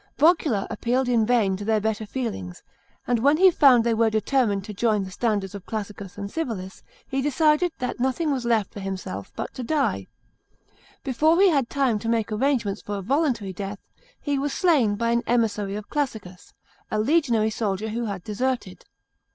Vocula appealed in vain to their better feelings, and when he found they were determined to join the standards of Classicus and Civilis, he decided that nothing was left for himself but to die. Before he had time to make arrangements for a voluntary death, he was slam by an emissary of Classicus— a legionary soldier who had deserted.